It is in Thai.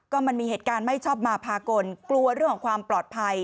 ก็มันมีเหตุการณ์ไม่ชอบมาพากลกลัวเรื่องของความปลอดภัย